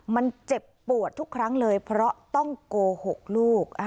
มันเจ็บปวดทุกครั้งเลยเพราะต้องโกหกลูก